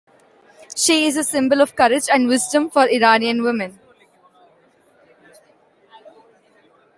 She is a symbol of courage and wisdom for Iranian women.